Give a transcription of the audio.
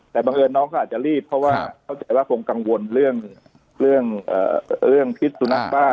แต่บังเอิญน้องก็อาจจะรีบเพราะว่าเข้าใจว่าคงกังวลเรื่องพิษสุนัขบ้า